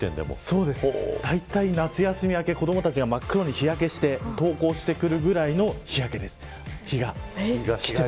そうです、だいたい夏休み明け子どもたちが真っ黒に日焼けして登校してくるぐらいの日焼けです。